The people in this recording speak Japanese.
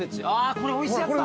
これおいしいやつだ。